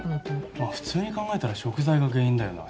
まあ普通に考えたら食材が原因だよな。